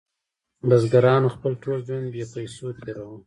بزګرانو خپل ټول ژوند بې پیسو تیروه.